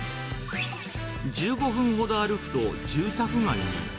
１５分ほど歩くと住宅街に。